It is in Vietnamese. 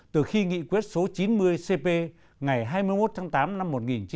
từ khi nghị quyết số chín mươi cp ngày hai mươi một tháng tám năm một nghìn chín trăm bảy mươi